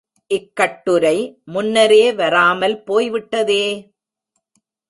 இக்கட்டுரை முன்னரே வராமல் போய்விட்டதே!